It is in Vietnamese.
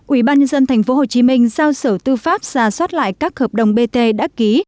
ủy ban nhân dân tp hcm giao sở tư pháp ra soát lại các hợp đồng bt đã ký